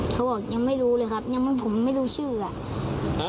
เขาบอกยังไม่รู้เลยครับยังผมไม่รู้ชื่ออ่ะ